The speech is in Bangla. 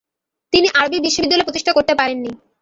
তিনি আরবি বিশ্ববিদ্যালয় প্রতিষ্ঠা করতে পারেনি।